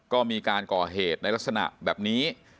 ก็มีการก่อเหตุในลักษณะแบบนี้